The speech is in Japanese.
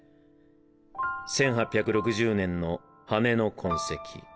１８６０年の羽根の痕跡。